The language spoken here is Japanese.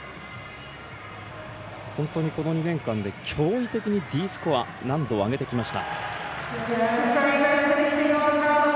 本当にこの２年間で驚異的にＤスコア難度を上げてきました。